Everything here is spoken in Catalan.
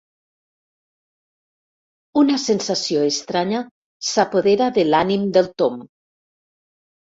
Una sensació estranya s'apodera de l'ànim del Tom.